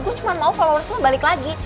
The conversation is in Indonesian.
gue cuma mau followers lo balik lagi